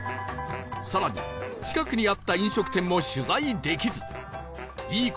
さらに近くにあった飲食店も取材できず